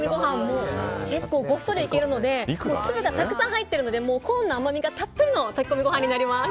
結構ごっそりいけるので粒がたくさん入ってるのでもうコーンの甘みがたっぷりの炊き込みご飯になります。